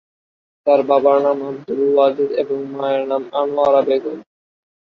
তার বাবার নাম আবদুল ওয়াজেদ এবং মায়ের নাম আনোয়ারা বেগম।